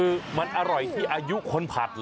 คือมันอร่อยที่อายุคนผัดเหรอ